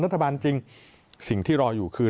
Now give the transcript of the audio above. รัฐบาลจริงสิ่งที่รออยู่คือ